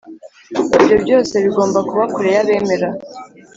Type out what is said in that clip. Ibyo byose bigomba kuba kure y’abemera,